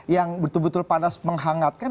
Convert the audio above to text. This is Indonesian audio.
yang betul betul panas menghangatkan